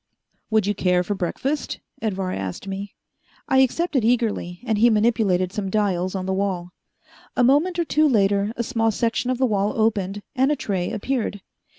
"Would you care for breakfast?" Edvar asked me. I accepted eagerly, and he manipulated some dials on the wall. A moment or two later a small section of the wall opened, and a tray appeared.